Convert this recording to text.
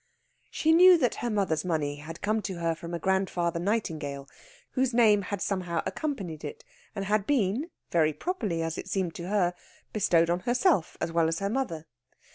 She knew that her mother's money had come to her from a "grandfather Nightingale," whose name had somehow accompanied it, and had been (very properly, as it seemed to her) bestowed on herself as well as her mother.